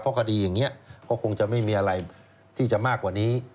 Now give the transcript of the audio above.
เพราะคดีอย่างนี้ก็คงจะไม่มีอะไรที่จะมากกว่านี้